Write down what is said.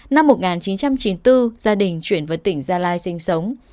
năm một nghìn chín trăm chín mươi bốn gia đình chuyển về tỉnh gia lai sinh sống